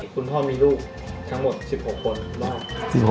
คุณพ่อมีลูกทั้งหมด๑๐ปี